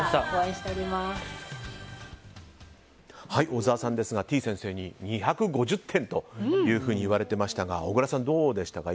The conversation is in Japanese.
小澤さんですが、てぃ先生に２５０点というふうに言われていましたが小倉さん、どうでしたか？